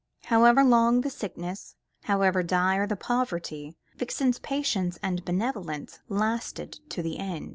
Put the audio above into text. However long the sickness, however dire the poverty, Vixen's patience and benevolence lasted to the end.